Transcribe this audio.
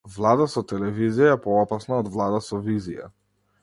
Влада со телевизија е поопасна од влада со визија.